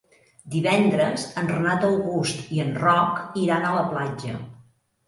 Divendres en Renat August i en Roc iran a la platja.